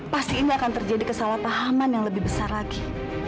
pasti ini akan terjadi kesalahpahaman yang lebih besar lagi